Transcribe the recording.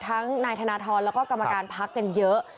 นายธนทรแล้วก็กรรมการพักกันเยอะ